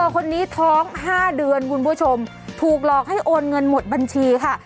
คนนี้ท้อง๕เดือนคุณผู้ชมถูกหลอกให้โอนเงินหมดบัญชีค่ะ